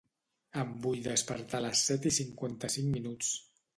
Em vull despertar a les set i cinquanta-cinc minuts.